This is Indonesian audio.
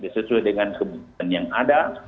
sesuai dengan kebutuhan yang ada